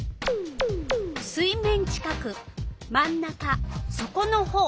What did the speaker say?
水面近く真ん中そこのほう。